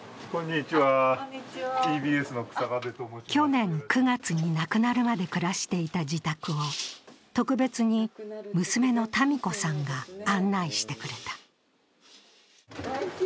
去年９月に亡くなるまで暮らしていた自宅を特別に娘の多美子さんが案内してくれた。